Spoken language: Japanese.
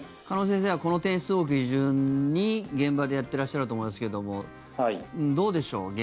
鹿野先生はこの点数を基準に現場でやってらっしゃると思いますけどもどうでしょう。